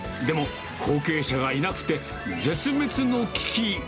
でも、後継者がいなくて、絶滅の危機。